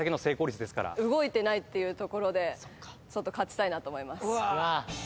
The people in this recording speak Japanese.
動いてないっていうところでちょっと勝ちたいなと思います。